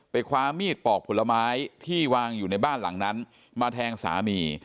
คว้ามีดปอกผลไม้ที่วางอยู่ในบ้านหลังนั้นมาแทงสามี